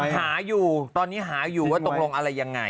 หาอยู่ตอนนี้หาอยู่ว่าตกลงอะไรยังไง